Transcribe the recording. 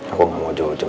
aku gak mau jauh jauh